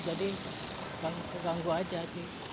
jadi terganggu aja sih